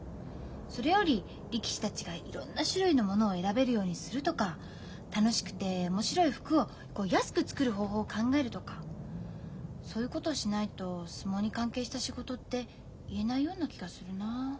それより力士たちがいろんな種類のものを選べるようにするとか楽しくて面白い服を安く作る方法を考えるとかそういうことしないと相撲に関係した仕事って言えないような気がするなあ。